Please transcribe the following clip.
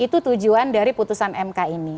itu tujuan dari putusan mk ini